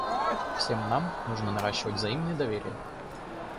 Всем нам нужно наращивать взаимное доверие.